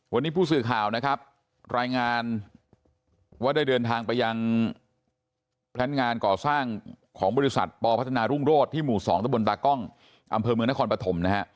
วันนี้ผู้สื่อข่าวนะครับรายงานว่าได้เดินทางไปยังแพลนงานก่อสร้างของบริษัทปพัฒนารุ่งโรศที่หมู่๒ตะบนตากล้องอำเภอเมืองนครปฐมนะฮะ